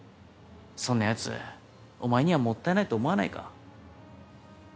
そんなやつお前にはもったいないと思わないか？